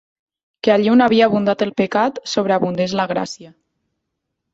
Que allí on havia abundat el pecat, sobreabundés la gràcia.